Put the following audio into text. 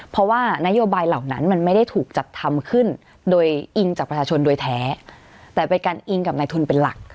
เพราะว่านโยบายเหล่านั้นมันไม่ได้ถูกจัดทำขึ้นโดยอิงจากประชาชนโดยแท้แต่เป็นการอิงกับนายทุนเป็นหลัก